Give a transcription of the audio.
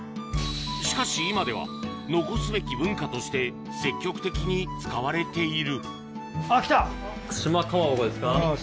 しかし今では残すべき文化として積極的に使われているあっ来た！